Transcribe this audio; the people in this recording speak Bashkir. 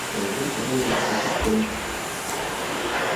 — Өҙөлгән органдарҙы ҡушып тегер